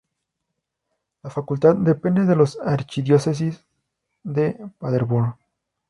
La Facultad depende de la Archidiócesis de Paderborn.